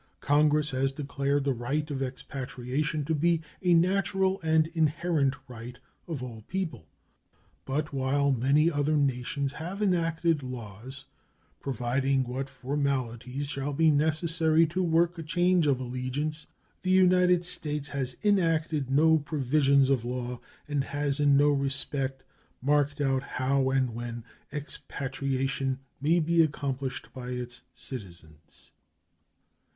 Congress has declared the right of expatriation to be a natural and inherent right of all people; but while many other nations have enacted laws providing what formalities shall be necessary to work a change of allegiance, the United States has enacted no provisions of law and has in no respect marked out how and when expatriation may be accomplished by its citizens.